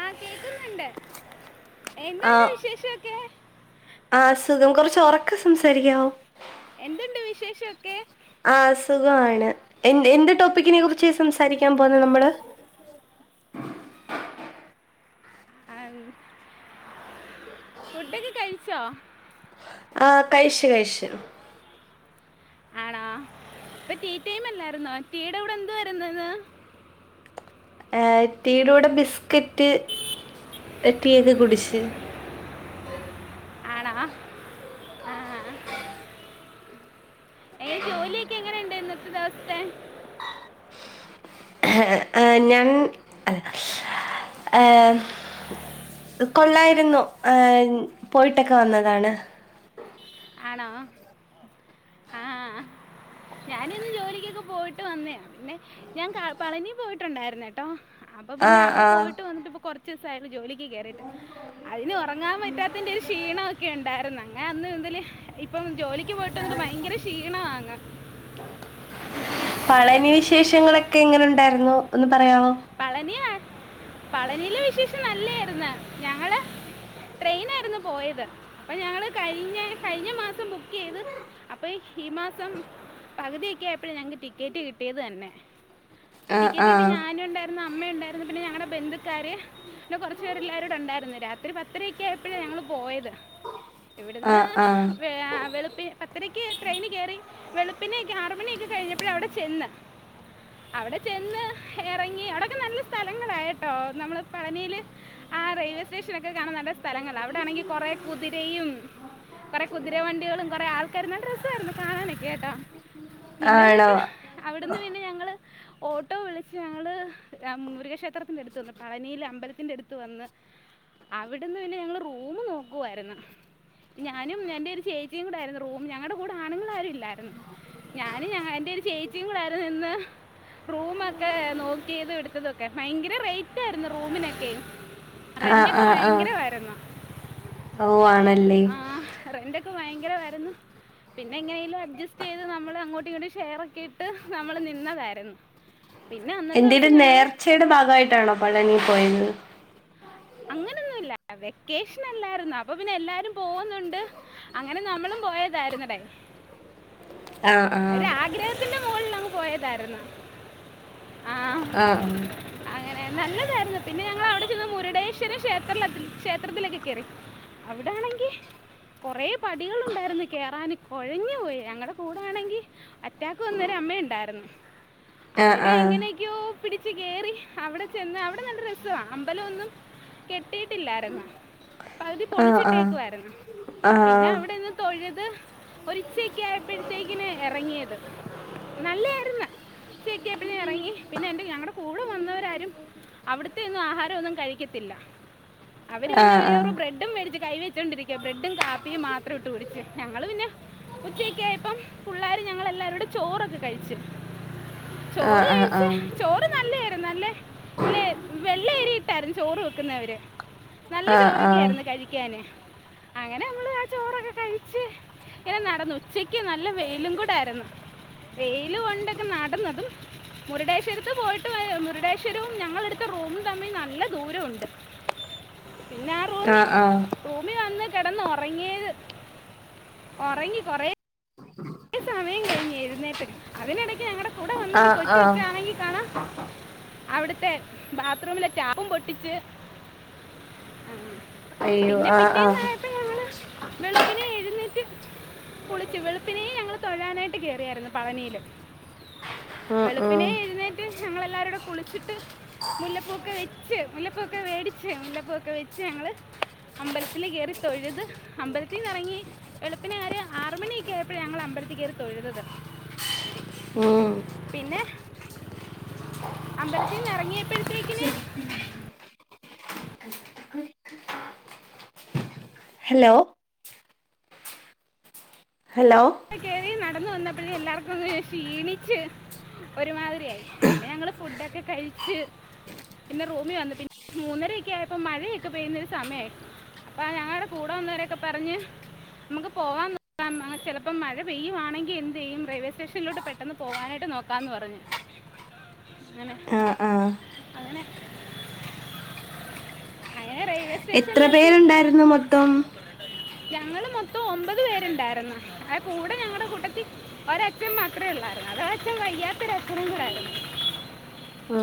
ആ കേക്കുന്ന്ണ്ട് എന്തുണ്ട് വിശേഷൊക്കെ ആ സുഖം കൊറച്ച് ഒറക്കെ സംസാരിക്കാവോ എന്തുണ്ട് വിശേഷമൊക്കെ ആസുഖമാണ് എന്ത് എന്ത് ടോപ്പിക്കിനെ കുറിച്ചാ സംസാരിക്കാൻ പോവുന്നെ നമ്മള് [inaudible] ആ ഫുഡൊക്കെ കഴിച്ചോ ആ കയ്ശു കയ്ശു ആണോ ഇപ്പൊ ടി ടൈം അല്ലായിരുന്നോ ടി യുടെ കൂടെ എന്തുവായ്ര്ന്നു ന്ന് ഏ ടി യുടെ കൂടെ ബിസ്കറ്റ് എക്കയ്ത് കുടിച്ച് ആണോ ആ ഏ ജോലിയെക്കെ എങ്ങനെയുണ്ടേയ്രുന്നു ഇന്നത്തെ ദിവസത്തെ ആ ഞാൻ ആ കൊള്ളായിരുന്നു ഏ പോയിട്ടൊക്കെ വന്നതാണ് ആണോ ആ [inaudible] ഞാനിന്ന് ജോലിക്കൊക്കെ പോയിട്ട് വന്നേണ് പിന്നെ ഞാൻ കാ പളനി പോയിട്ടുണ്ടായിരുന്നെ ട്ടോ അപ്പൊ പിന്നെ ആഹ് അവടെ ആഹ് പോയിട്ട് വന്നിട്ട് ഇപ്പ കൊർച്ചീസായിണ് ജോലി ക്ക് കേറിട്ട് അതിന് ഓർങ്ങാൻ പറ്റാത്തെന്റെ ക്ഷീണൊക്കെ ണ്ടായിര്ന്നു അങ്ങനെ അന്ന് മുതില് ഇപ്പം ജോലിക്ക് പോയിട്ട് വന്നിട്ട് ഭയങ്കര ക്ഷീണാ പളനി വിശേഷങ്ങളൊക്കെ എങ്ങനെ ണ്ടായിരുന്നു ഒന്ന് പറയാവോ പളനിയാ പളനിയിലെ വിശേഷം നല്ലായിര്ന്നു ഞങ്ങള് ട്രെയിനായിരുന്നു പോയത് അപ്പൊ ഞങ്ങള് കഴിഞ്ഞ കഴിഞ്ഞ മാസം ബുക്കെയ്ത് അപ്പൊ ഈ മാസം പകുതിയെക്കെ ആയപ്പഴ ഞങ്ങക്ക് ടിക്കറ്റ് കിട്ടിയതെന്നെ ആഹ് ടിക്കറ്റ് ആഹ് കിട്ടിഞാനുണ്ടായിരുന്നു അമ്മ ണ്ടായിരുന്നു പിന്നെ ഞങ്ങളടെ ബന്ധുക്കാര് പിന്നെ കൊർച്ചു പേരെല്ലാവരുടെണ്ടായിരുന്നു രാത്രി പത്തരക്ക യപ്പഴാ ഞങ്ങള് പോയത് ഇവട്ന്ന് ആഹ് ആഹ് വെ ആ വെളുപ്പി പത്തരക്ക് ട്രെയിന് കേറി വെളുപ്പിനെയൊക്കെ ആറ്മണി യൊക്കെ കഴിഞ്ഞപ്പഴ് അവിടെ ചെന്ന് അവടെ [inaudible] എറങ്ങി അവടൊക്കെ നല്ല സ്ഥലങ്ങളാ എട്ടോ നമ്മള് പളനിയില് ആ റെയിൽവേ സ്റ്റേഷനൊക്കെ കാണാൻ നല്ല സ്ഥലങ്ങളി അവ ടാണെങ്കി കുറെ കുതിരയും കുറെ കുതിര വണ്ടികളും കുറെ ആൾ രൊകായിരുന്നു നല്ല രസായിരുന്നു കാണാനൊക്കെ കേട്ടോ പിന്നെ ആണോ എന്നിട്ട് അവിടുന്ന് പിന്നെ ഞങ്ങള് ഓട്ടോ വിളിച്ച് ഞങ്ങള് ആ മുരുകക്ഷേത്രത്തിൻ്റട്ത്ത് വന്ന് പയനിയിലെ അമ്പലത്തിന്റെടുത്ത് വന്ന് അവിടുന്ന് പിന്നെ ഞങ്ങള് റൂമ് നോക്കുവായിരുന്നു ഞാനും എന്റെ ഒരു ചേച്ചിയയും കൂടെ ആയിരുന്നു റൂം ഞങ്ങളടെ കൂടെ ആണുങ്ങളൾ ആരും ഇല്ല ഞാനും എന്റെ ഒരു ചേച്ചിയും കൂടെയായിരുന്നു ഇന്ന് റൂമൊക്കെ നോ നോക്കിയതും എടുത്തതൊക്കെ ഭയങ്കര റേറ്റ് ആയിരുന്നു റൂമിനൊക്കെ ആഹ് റെന്റൊക്കെ ആഹ് ആഹ് ഭയങ്കര വയിരുന്നു. ഓ ആണല്ലേ ആ റെന്റൊക്കെ ഭയങ്കര വയിരുന്നു. പിന്നെ എങ്ങനെലും അഡ്ജസ്റ്റ് ചെയ്ത് നമ്മൾ അങ്ങോട്ടും ഇങ്ങോട്ടും ഷെയർൊക്കെ ഇട്ട് നമ്മള് നിന്നതായിരുന്നു. പിന്നെ അന്നത്തെ എന്റെ ഒരു ദിവസം ഞങ്ങൾ നേർച്ചയുടെ ഭാഗമായിട്ടാണോ പളനി പോയത് അങ്ങനെയൊന്നുമല്ല വെക്കേഷൻ അല്ലായിരുന്നു അപ്പൊ പിന്നെ എല്ലാരും പോകുന്നുണ്ട്. അങ്ങനെ നമ്മളും പോയതായിരുന്നടേ ആ ആ ഒരു ആഗ്രഹത്തിന്റെ മുകളിൽ അങ്ങ് പോയതായിരുന്നു ആ ആഹ് അങ്ങനെ നല്ലതായിരൂന്നു [inaudible] [unintelligible] ക്ഷേത്ര ക്ഷേത്രത്തിലേക്കെ കയറി അവിടാണെങ്കിൽ കുറെ പടികളുണ്ടായിരുന്നു കേയറാൻ കൊഴഞ്ഞു പോയി ഞങ്ങളുടെ കൂടെ ണെങ്കിൽ അറ്റാക്ക് വന്നരു അമ്മ ഉണ്ടായിരുന്നു ആഹ് അവര് ആഹ് എങ്ങനൊക്കെയോ പിടിച്ച് കേറി അവിടെ ചെന്ന് അവിടെ നല്ല രസം അമ്പലംഒന്നും കെട്ടിട്ടില്ലായിരുന്നോ പകുതി ആഹ് പൊളിച്ചിട്ടേക്ക് വരുന്നു ആഹ് പിന്നെ അവിടെന്ന് തൊഴത് ഒരിച്ചക്ക ആയപ്പോഴത്തേക്കിന് ഇറങ്ങിയത് നല്ലായിരന്ന് ചെക്കാ പിന്നെ ഇറങ്ങി പിന്നെ എന്റെറെ ഞങ്ങളടെ കൂടെ വന്നവരാരും അവിടത്തെൊന്നും ആഹാരം ഒന്നും കഴിക്കത്തില്ല അവര് ആഹ് ആഹ് ആഹ് പിന്നെ ആഹ് ഒരേ ബ്രെഡും മേടിച്ച് കൈ വെച്ചോണ്ടിരിക്ക ബ്രെഡും കാപ്പിയും മാത്രം ഇട്ട് കുടിച്ച് ഞങ്ങള്ൾ പിന്നെ ഉച്ചക്കയപ്പം പിള്ളോര് ഞങ്ങൾ എല്ലാരോടെ ചോറൊക്കെ കഴിച്ചു [inaudible] ചോറ് ആഹ് ആഹ് ആഹ് കഴിച്ച ചോറ് നല്ലായിരുന്നു നല്ലേ ഇല്ലെ വെള്ളയരിയിട്ടായി ചോറ് വെക്കുന്നവര് നല്ല ചോറൊക്കെയ ആായിരുന്നു കഴിക്കാന് അങ്ങനെ നമ്മള് ആ ചോറൊക്കെ കഴിച്ച് ഇങ്ങനെ നടന്നു ഉച്ചക്ക് നല്ല വെയിലും കൂടൊയിരുന്നു. വെയിയില് കൊണ്ടൊക്കെ നടന്നതും മുരുടേശ്വരത്ത് പോയിട്ട് വ മുരുടേശ്വരവും ഞങ്ങളടുത്ത റൂമും തമ്മിൽ നല്ല ദൂരമുണ്ട് [inaudible] പിന്നെ ആ റൂമിൽ ആഹ് ആഹ് റൂമിൽ വന്നിട്ട കിടന്ന ഉറങ്ങിയത് ഉറങ്ങി കൊറേ സമയം കഴിഞ്ഞു എഴുന്നേറ്റ അതിനിടയ്ക്ക് ഞങ്ങളടെ കൂടെ വന്നൊരു ആഹ് കൊച് ആഹ് കൊച്ണെങ്കിൽ കാണാം [unintelligible] അവിടുത്തെ ബാത്ത്റൂമിലെ ടാപ്പും പൊട്ടിച്ച് അയ്യോ പിന്നെ ആഹ് ആഹ് പിറ്റേന്ന്യപ്പോ ആണ് വെളുപ്പിനെ എഴുന്നേറ്റ് കുളിച്ചു പിന്നെ ഞങ്ങള്ൾ തൊഴാനായിട്ട് കയറിയായിരുന്നു പയനിയില്. [unintelligible] ഉം വെളുപ്പിനെ എഴുന്നേറ്റ്് ഞങ്ങളെല്ലാരുംടെ കുളിച്ചിട്ട് മുല്ലപ്പൂക്കെ വെച്ച് മുല്ലപ്പൊക്കെ മേടിച്ച് മുല്ലപ്പൊക്കെ വെച്ച് ഞങ്ങള് അമ്പലത്തില കയറി തൊഴുത് അമ്പലത്തിൽ നിന്ന ഇറങ്ങി വെളുപ്പിനന്ാര് ആറുമണി യപ്പോഴ ഞങ്ങൾ അമ്പലത്തി കയറി തൊഴുതത് ഉം പിന്നെ അമ്പലത്തി നി ഇറങ്ങിയപ്പോഴത്തേക്കിന് ഹലോ ഹലോ അ കയറി നടന്ന വന്നപ്പോഴ എല്ലാവർക്കും ഒന്ന് ക്ഷീണിച് ഒരുമാതിരിയായി പിന്നെ ഞങ്ങള് ഫുഡൊക്കെ കഴിച്ച് പിന്നെ റൂമി വന്നു പിന്നെ മൂന്നരയൊക്കെ ആയപ്പോ മഴയൊക്കെ പെയ്യുന്ന ഒരു സമയായി അപ്പൊ ഞങ്ങളുടെ കൂടെ വന്നവരൊക്കെ പറഞ്ഞ് നമുക്ക് പോവാൻ നോക്കാം ചെല പ്പം മഴ പെയ്യുവാണെങ്കിൽ എന്ത് ചെയ്യും റെയിൽവേ സ്റ്റേഷനിലോട്ട് പെട്ടെന്ന് പോകാനായിട്ട് നോക്കാമെന്ന് പറഞ്ഞ് അങ്ങനെ ആഹ് ആഹ് അങ്ങനെ ആ അങ്ങനെ റെയിൽവേ എത്ര സ്റ്റേഷനിലെത്തി പേരുണ്ടായിരുന്നു മൊത്തം ഞങ്ങള് മൊത്തം ഒമ്പത് പേരുണ്ടായിരുന്ന് അത് കൂടെ ഞങ്ങടെ കു ട്ടത്തി ഒരഛൻ മാത്രേ ഒള്ളായിരുന്ന് അതോ ആച്ഛൻ വയ്യാത്തൊരച്ചനും കൂടായിരുന്നു ആ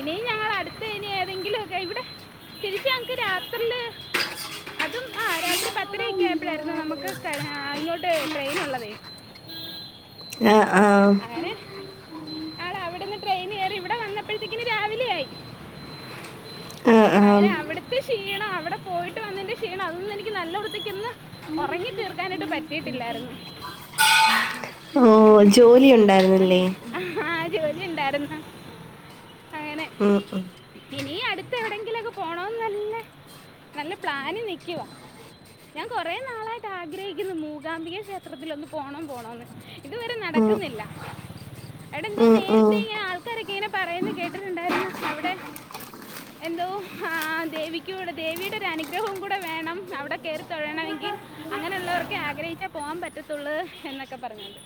ഇനി ഞങ്ങളടുത്ത് ഇനി ഏതെങ്കിലും ഒക്കെ ഇവിടെ തിരിച്ച് ഞങ്ങക്ക് രാത്രില് അതും ആ രാത്രി പത്തരയൊക്കെ ആയപ്പോഴായിരുന്നു നമുക്ക് തര ഇങ്ങോട്ട് ട്രെയിനൊള്ളതേ ആ ആ അങ്ങനെ ആട അവിടുന്ന് ട്രെയിൻ കയറി ഇവിടെ വന്നപ്പോഴത്തേക്കിന് രാവിലെ ആയി ആഹ് അങ്ങനെ ആഹ് അവിടുത്തെ ക്ഷീണം അവിടെ പോയിട്ട് വന്നതിന്റെ ക്ഷീണം അതൊന്ന് എനിക്ക് നല്ലവൃത്തിക്കൊന്ന് ഒറങ്ങി തീർക്കാനായിട്ട് പറ്റിയട്ടില്ലായിരുന്നു ഓ ജോലി ഒണ്ടായിരുന്നല്ലേ ലി ഇണ്ടായിരുന്ന് ഉം ഉ ഇനി അടുത്ത് എവിടെയെങ്കിലും ഒക്കെ പോണോന്ന് നല്ല. നല്ല പ്ലാന്ല് നിക്കുവാ ഞാ കൊറെ നാളായിട്ട് ആഗ്രഹിക്കുന്നു മൂകാംബിക ക്ഷേത്രത്തിലൊന്ന് പോണം പോണന്ന് ഇതുവരെ നടക്കുന്നില്ല [unintelligible] എടോ എന്തോ ഉം ഉം നേരത്തെ ഇങ്ങനെ ആൾക്കാരൊക്കെ ഇങ്ങനെ പറയുന്ന കേട്ടിട്ടുണ്ടായിരുന്ന അവിടെ. എന്തോ ആ ദേവിക്കൂടെ ദേവിയുടെ ഒരു അനുഗ്രഹുവും കൂടെ വേണം അവിടെ കേറി തൊഴണമെങ്കിൽ അങ്ങനെയുള്ളവർക്ക് ആഗ്രഹിച്ചാ പോകാൻ പറ്റത്തൊള്ളൂ എന്നൊക്കെ പറഞ്ഞോണ്ട്.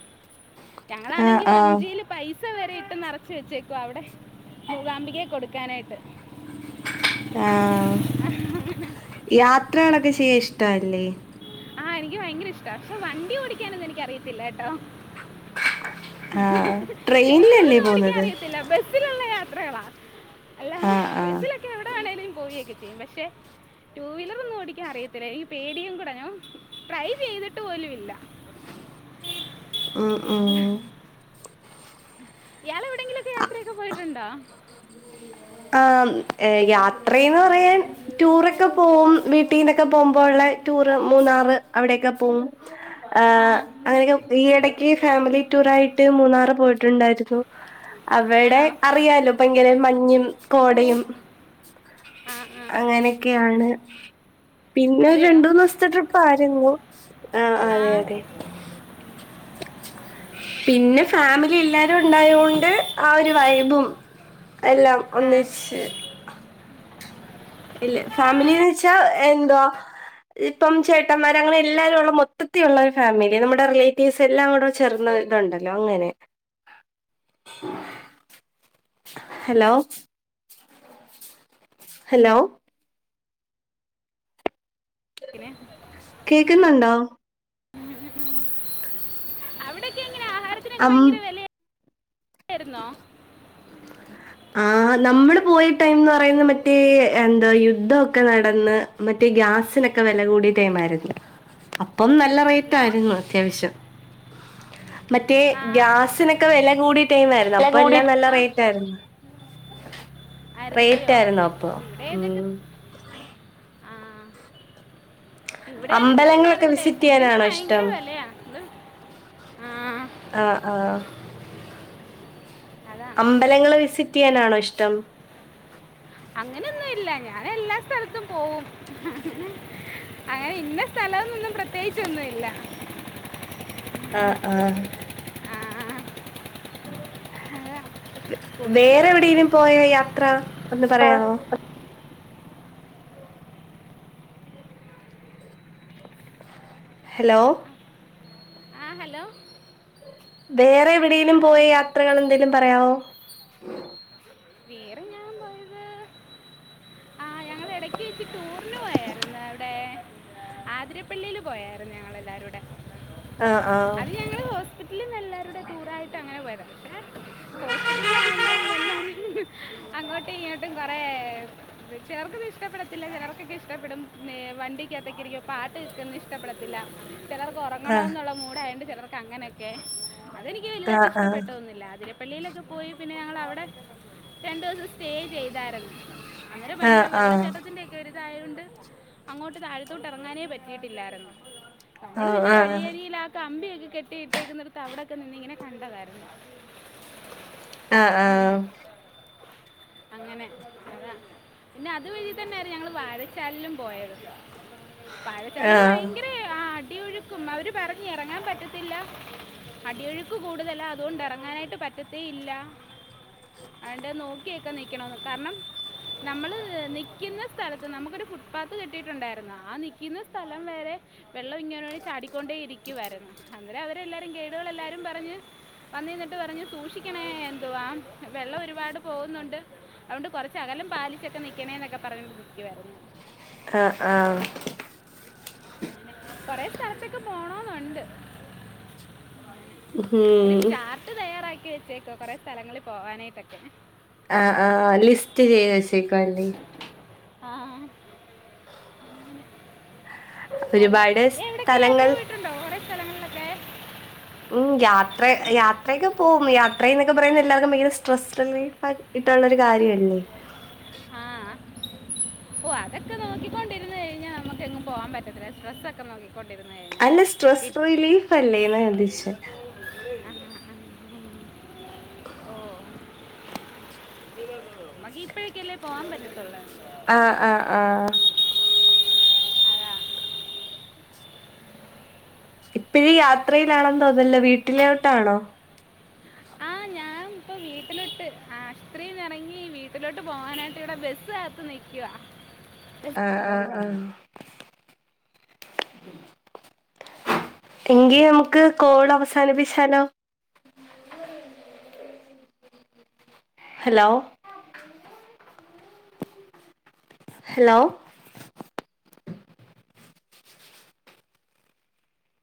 ഞങ്ങൾ ആഹ് ആണെങ്കിൽ ആഹ് വഞ്ചിയില് പൈസ വരെ ഇട്ട് നെറച്ചു വെച്ചേക്കുവാ അവിടെ. മൂകാംബികയില് കൊടുക്കാനായിട്ട്. ആഹ് യാത്രകളൊക്കെ ചെയ്യാൻ ഇഷ്ടല്ലേ. ആഹ് എനിക്ക് ഭയങ്കര ഇഷ്ട പക്ഷെ വണ്ടി ഓടിക്കാനൊന്നും എനിക്ക് അറിയത്തില്ലട്ടോ. ആഹ് ടൂ വീലർ ട്രെയിനിലല്ലേ ഒന്നും ഓടിക്കാൻ പോന്നത് അറിയത്തില്ല ബസ്സിലുള്ള യാത്രകളാ. അല്ലാതെ ആഹ് ആഹ് ബസ്സിലൊക്കെ എവിടെ വേണേലും പോവൊക്കെ ചെയ്യും പക്ഷെ ടൂ വീലർ ഒന്നും ഓടിക്കാൻ അറിയത്തില്ല എനിക്ക് പേടിയും കൂടെയാ. ട്രൈ ചെയ്തിട്ട് പോലും ഇല്ല. ഉം ഉം ഇയാള് എവിടെങ്കിലൊക്കെ യാത്രയൊക്കെ പോയിട്ടുണ്ടോ ആഹ് യാത്രയെന്ന് പറയാൻ ടൂറൊക്കെ പോവും വീട്ടിനൊക്കെ പോകുമ്പോഴുള്ള ടൂ ടൂറ് മൂന്നാറ് അവിടെക്കെ പോവും ആ അങ്ങനെയൊക്കെ ഈ ഇടക്ക് ഫാമിലി ടൂർ ആയിട്ട് മൂന്നാറ് പോയിട്ടുണ്ടായിരുന്നു. അവിടെ ആണോ അറിയാലോ ഇപ്പൊ എങ്ങനെ മഞ്ഞും ഓ കോടയും ആ ആ അങ്ങനെയൊക്കെയാണ്. പിന്നെ അതെയോ രണ്ട് മൂന്ന് ദിവസത്തെ ട്രിപ്പായിയിരുന്നു ആഹ് ആ അതെ അതെ. പി പിന്നെ ഫാമിലി എല്ലാരും ഉണ്ടായോണ്ട് ആ ഒരു വൈബും എല്ലാ. ആ ഒന്നിച്ച് ഇല്ല ഫാമിലിന്ന് വെച്ചാ എന്തുവാ. ഇപ്പം ചേട്ടന്മാർ അങ്ങനെ എല്ലാരും ഉള്ള മൊത്തത്തിലുള്ള ഒരു ഫാമിലി നമ്മുടെ റിലേറ്റീസ് എല്ലാം കൂടെ ചേർന്നു. ഇതുണ്ടല്ലോ അങ്ങനെ ഹലോ ഹലോ പിന്നെ കേക്കുന്നുണ്ടോ അവിടെയൊക്കെ എങ്ങനെയാ ആഹാരത്തിനൊക്കെ അം ഭയങ്കര വില. ആ നമ്മള് പോയ ടൈം എന്ന് പറയുന്ന മറ്റേ എന്താ യുദ്ധമൊക്കെ നടന്ന് മറ്റേ ഗ്യാസിനൊക്കെ വില കൂടി. [unintelligible] അപ്പോ നല്ല റൈറ്റ് ഹലോ ആയിരുന്നു അത്യാവശ്യം. മറ്റേ ആ ഗ്യാസിനൊക്കെ വെല കൂടിയ ടൈമായിരുന്നു അപ്പൊ എല്ലാം നല്ല ആ റെെറ്റായിരുന്നു ആയിരുന്നില്ലയോ റൈറ്റായിരുന്നു അപ്പോ ഇവിടെ മ് ഇതൊക്കെ ആ ഇവിടെ അതൊക്കെ തന്നെ അമ്പലങ്ങളൊക്കെ ആയിരുന്നുണ്ടേ വിസിറ്റ് ഫുഡിന് ചെയ്യാനാണോ ഭയങ്കര ഇഷ്ടം? വിലയാ. ആ ആ ആ അതാ അമ്പലങ്ങള് വിസിറ്റെയ്യാനാണോ ഇഷ്ടം അങ്ങനെയൊന്നുമില്ല ഞാൻ എല്ലാ സ്ഥലത്തും പോകവും അങ്ങനെ. ഹെയ് ഇന്നസ്ഥലന്നൊന്നും പ്രത്യേകിച്ചൊന്നുമില്ല. ആ ആ ആ അതാ കൂടുതലും വേറെ എവിടേലും പോയോ യാത്ര. ഒന്ന് പറയാവോ ഹലോ ആ ഹലോ വേറെ എവിടെലും പോയ യാത്രകൾ എന്തേലും പറയാവോ വേറെ ഞാൻ പോയത് ആ ഞങ്ങൾ ഇടയ്ക്ക് വെച്ച് ടൂറിന് അതിരപ്പള്ളിയിൽ പോയായിരുന്നു ഞങ്ങള് എല്ലാരൂടെ. ആഹ് ആഹ് എല്ലാവരുടെ ടൂറായിട്ട് അങ്ങനെ പോയത പക്ഷെ ഹോസ്പിറ്റൽ ആകുമ്പോ എല്ലാരും അങ്ങോട്ടും ഇങ്ങോട്ടും കൊറെ. ചെലർക്കന്നും ഇഷ്ടപ്പെടത്തില്ല ചെലർക്കൊക്കെ ഇഷ്ടപ്പെടും നെ വണ്ടിക്കകത്തൊക്ക ഇരിക്കുമ്പ പാട്ട്കേക്കുന്നെ ഇഷ്ടപ്പെടത്തി ല്ല ചെലർക്ക് ഒറങ്ങണം ആഹ് എന്നുള്ള മൂടായണ്ട് ചിലർക്ക് അങ്ങനെയൊക്കെ അതെനിക്ക് വലുതായിട്ട് ആഹ് ആഹ് ഇഷ്ടപ്പെട്ടൊന്നുമില്ല അതിര പള്ളിയിലൊക്കെ പോയി പിന്നെ ഞങ്ങള് അവിടെ രണ്ടു ദിവസം സ്റ്റേ ചെയ്തായിരുന്നു അന്നേരം ഭയങ്കര ആഹ് ആഹ് വെള്ളച്ചാട്ടത്തിന്റെ ഒക്കെ ഒരു ഇതായൊണ്ട് അങ്ങോട്ട് താഴത്തോട്ട് ഇറങ്ങാനേ പറ്റിയിട്ടില്ലായിരുന്ന് നമ്മള് പിന്നെ ആഹ് ആഹ് വഴിയരിയില് ആ കമ്പിയൊക്കെ കെട്ടിയിട്ടേക്കുന്നടത്ത് അവിടെ നിന്നിങ്ങനെ കണ്ടതായിരുന്ന് ആ ആ അങ്ങനെ അതാ പിന്നെ അതുവഴി തന്നെ ഞങ്ങള് വാഴച്ചാലിലും പോയത് വാഴച്ചാലില് ആഹ് ഭയങ്കര ആ അടിയൊഴു ക്കും അവര് പറഞ്ഞ് ഇറങ്ങാൻ പറ്റത്തില്ല അടിയൊഴുക്ക് കൂടുതലാണ് അതുകൊണ്ടിറങ്ങാനായിട്ട് പറ്റത്തേയില്ല ആണ്ട് നോക്കിയക്ക നിക്കണന്ന് കാരണം നമ്മള് നിക്കുന്ന സ്ഥലത്ത് നമുക്കൊരു ഫുട്പാത്ത് കിട്ടിയിട്ടുണ്ടായിരുന്നു ആ നിക്കുന്ന സ്ഥലം വരെ വെള്ളം ഇങ്ങനെ വേണ്ടി ചാടിക്കൊണ്ടേ ഇരിക്കുവാരുന്നു അന്നെരം അവരെല്ലാവരും ഗൈഡുകളെല്ലാവരും പറഞ്ഞ് വന്ന നിന്നിട്ട് പറഞ്ഞു സൂക്ഷിക്കണേ എന്തുവാ വെള്ളം ഒരുപാട് പോകുന്നുണ്ട് അതൊണ്ട് കൊറച്ച് അക ലം പാലിച്ചൊക്കെ നിക്കണേ എന്നൊക്കെ പറഞ്ഞണ്ട് പോയി ആ ആ കൊറെ സ്ഥലത്തക്ക് പോണോന്നുണ്ട് ഒരു ഉം ചാർട്ട് തയ്യാറാക്കി വെച്ചേക്കുവ കൊറെ സ്ഥലങ്ങളിൽ പോവാനായിട്ടൊക്കെ ആ ആ ലിസ്റ്റ് ചെയ്ത് വച്ചേക്കുവാല്ലേ ആ അതെ ഒരുപാട് എവിടൊക്കെ യാത്ര സ്ഥലങ്ങൾ പോയിട്ടുണ്ടോ അവിടെ സ്ഥലങ്ങളിലൊക്കെ ഉം യാത്ര യാത്രയൊക്കെ പോവും യാത്ര എന്നൊക്കെ പറയുന്ന എല്ലാവർക്കും ഭയങ്കര സ്ട്രെസ് റിലീഫായിട്ട് കി ട്ടനുള്ളൊരു കാര്യവ ആ ഓ അതൊക്കെ നോക്കിക്കൊണ്ടിരന്ന് കഴിഞ്ഞാ നമുക്ക് എങ്ങും പോവാൻ പറ്റത്തില്ല സ്ട്രെസ് ഒക്കെ നോക്കി അല്ല സ്ട്രെസ്സ് റിലീഫ് അല്ലേന്ന് ഞാൻ തിരിച്ചെ ഓ നമ്മുക്ക് ഇപ്പോഴേക്കല്ലേ പോവാൻ പറ്റത്തുള്ള് ആ ആ ആ അതാ ഇപ്പഴും യാത്രയിലാണെന്ന് തോന്നല്ലോ വീട്ടിലോട്ടാണോ ആ ഞാൻ ഇപ്പ വീട്ടിലോട്ട് ആശുപത്രിന്ന് ഇറങ്ങി വീട്ടിലോട്ട് പോകാനായിട്ട് ഇവിടെ ബസ് കാത്ത് നിൽക്കുവ ആ ആ ആ എങ്കി നമുക്ക് കോൾ അവസാനിപ്പിച്ചാലോ ഹലോ ഹലോ